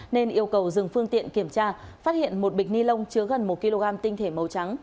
nên yêu cầu dừng phương tiện kiểm tra phát hiện một bịch ni lông chứa gần một kg tinh thể màu trắng